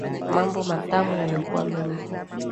Mambo matamu yamekuwa mengi